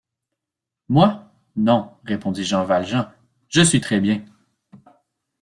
Moi? non, répondit Jean Valjean, je suis très bien.